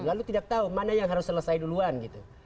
lalu tidak tahu mana yang harus selesai duluan gitu